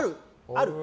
ある。